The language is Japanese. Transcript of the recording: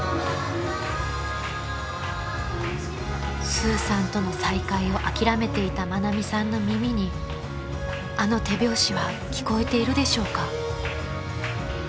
［スーさんとの再会を諦めていた愛美さんの耳にあの手拍子は聞こえているでしょうか？］